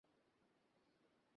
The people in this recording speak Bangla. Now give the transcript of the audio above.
রুস্টার আর বদলাবে না।